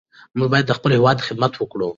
موږ باید د خپل هېواد خدمت وکړو.